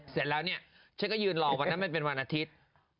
เสร็จแล้วเนี่ยฉันก็ยืนรอวันนั้นมันเป็นวันอาทิตย์